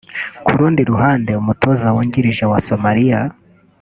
Ku rundi ruhande umutoza wungirije wa Somalia